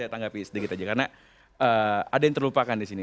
saya tanggapi sedikit aja karena ada yang terlupakan di sini